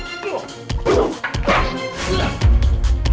tidak tidak tidak